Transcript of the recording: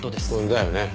だよね。